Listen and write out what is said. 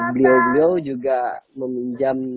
beliau beliau juga meminjam